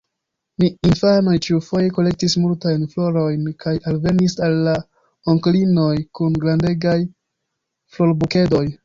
Ni infanoj ĉiufoje kolektis multajn florojn kaj alvenis al la onklinoj kun grandegaj florbukedoj.